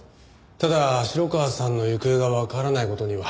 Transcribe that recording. ただ城川さんの行方がわからない事には。